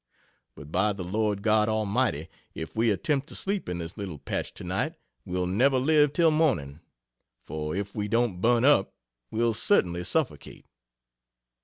but by the Lord God Almighty, if we attempt to sleep in this little patch tonight, we'll never live till morning! for if we don't burn up, we'll certainly suffocate."